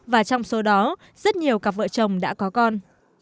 và trong số đó rất nhiều cặp vợ chồng đã có con